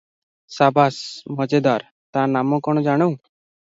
ସାବାସ! ମଜେଦାର! ତା’ ନାମ କ’ଣ ଜାଣୁ?